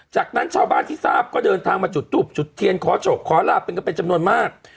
จากนั้นชาวบ้านที่ทราบก็เดินทางมาจุดทูบจุดเทียนขอโชคขอลาบเป็นกันเป็นจำนวนมาก